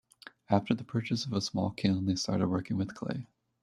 After the purchase of a small kiln they started working with clay.